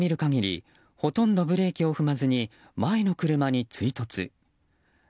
映像を見る限りほとんどブレーキを踏まずに前の車に追突。